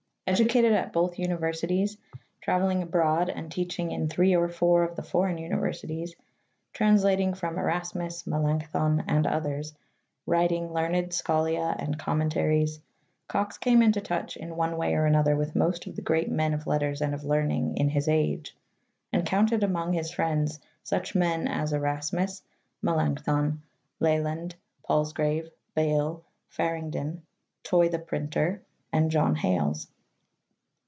Educated at both universities, trav eling abroad and teaching in three or four of the foreign universi ties, translating from Erasmus, Melanchthon, and others, writing learned scholia and commentaries. Cox came into touch in one way or another with most of the great men of letters and of learning in his age, and counted among his friends such men as Erasmus, Melanchthon, Leland, Palsgrave, Bale, Faringdon, Toy the printer, and John Hales.